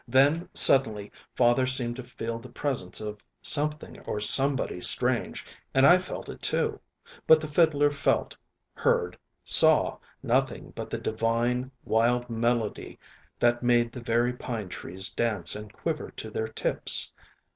Then suddenly father seemed to feel the presence of something or somebody strange, and I felt it, too. But the fiddler felt, heard, saw nothing but the divine, wild melody that made the very pine trees dance and quiver to their tips.